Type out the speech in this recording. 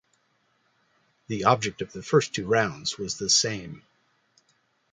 The object of the first two rounds was the same.